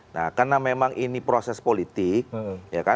nah karena memang ini proses politik